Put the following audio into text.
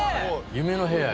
夢の部屋や。